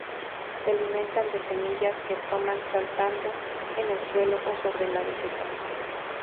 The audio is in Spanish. Se alimentan de semillas que toman saltando en el suelo, o sobre la vegetación.